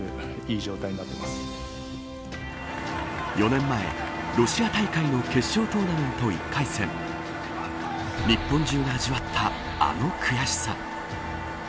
４年前、ロシア大会の決勝トーナメント１回戦日本中が味わったあの悔しさ。